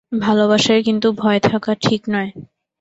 ভালবাসায় কিন্তু ভয় থাকা ঠিক নয়।